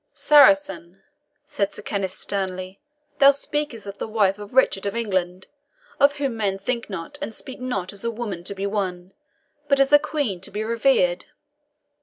"Saracen," said Sir Kenneth sternly, "thou speakest of the wife of Richard of England, of whom men think not and speak not as a woman to be won, but as a Queen to be revered."